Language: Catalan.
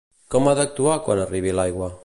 Com ha d'actuar quan arribi l'aigua?